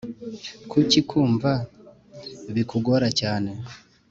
kucyi kumva bikugora cyane